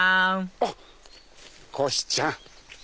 あっこひちゃん！